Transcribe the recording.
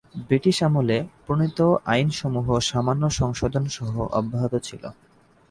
British আমলে প্রণীত আইনসমূহ সামান্য সংশোধনসহ অব্যাহত ছিল।